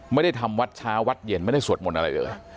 ไม่ได้ทำวัดเช้าวัดเย็นไม่ได้สวดมนต์อะไรเลย